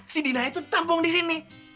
si dina itu tampung di sini